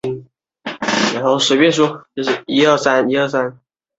纽约市警察局最高首长是警察局长。